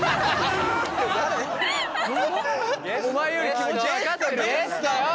お前より気持ち分かってるよ。